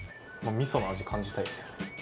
みその味感じたいですよね。